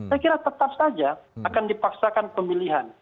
saya kira tetap saja akan dipaksakan pemilihan